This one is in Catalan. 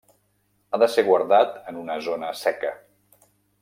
Ha de ser guardat en una zona seca.